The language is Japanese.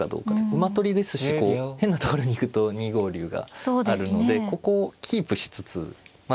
馬取りですしこう変なところに行くと２五竜があるのでここをキープしつつまあ